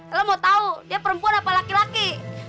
ela mau tau dia perempuan apa laki laki